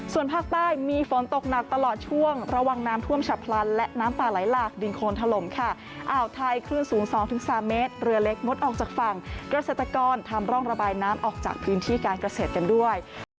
ส่วนภาคใต้มีฝนตกหนักตลอดช่วงระวังน้ำท่วมฉับพลันและน้ำป่าไหลหลากดินโคนถล่มค่ะอ่าวไทยคลื่นสูง๒๓เมตรเรือเล็กงดออกจากฝั่งเกษตรกรทำร่องระบายน้ำออกจากพื้นที่การเกษตรกันด้วย